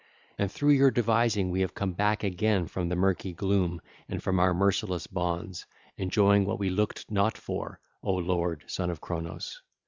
And through your devising we are come back again from the murky gloom and from our merciless bonds, enjoying what we looked not for, O lord, son of Cronos.